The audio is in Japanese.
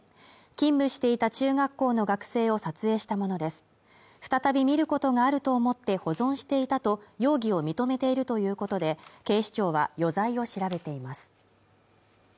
勤務していた中学校の学生を撮影したものです再び見ることがあると思って保存していたと容疑を認めているということで警視庁は余罪を調べています